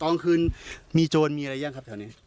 ตอนคืนมีโจรมีอะไรอย่างครับแถวนี้